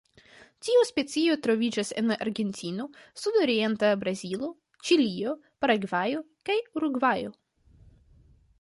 Tiu specio troviĝas en Argentino, sudorienta Brazilo, Ĉilio, Paragvajo kaj Urugvajo.